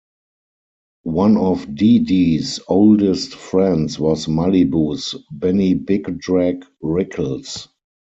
One of Dee Dee's oldest friends was Malibu's Benny "Big Drag" Rickles.